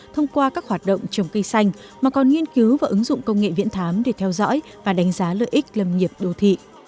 thông qua các hoạt động trồng cây xanh mà còn nghiên cứu và ứng dụng công nghệ viễn thám để theo dõi và đánh giá lợi ích lâm nghiệp đô thị